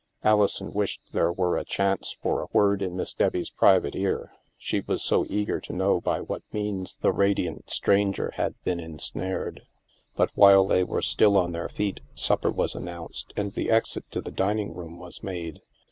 Alison wished there were a chance for a word in Miss Debbie's private ear, she was so eager to know by what means the radiant stranger had been en snared. But while they were still on their feet, supper was announced and the exit to the dining room was made.